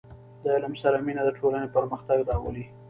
• د علم سره مینه، د ټولنې پرمختګ راولي.